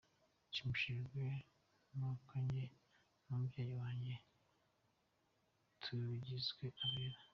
"Nshimishijwe nuko jye n'umubyeyi wanjye tugizwe abere.